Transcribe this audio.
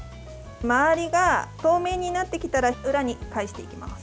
周りが透明になってきたら裏に返していきます。